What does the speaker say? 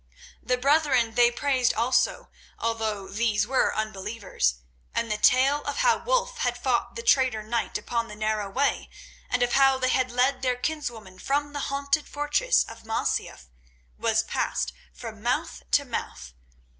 The brethren they praised also, although these were unbelievers, and the tale of how Wulf had fought the traitor knight upon the Narrow Way, and of how they had led their kinswoman from the haunted fortress of Masyaf, was passed from mouth to mouth.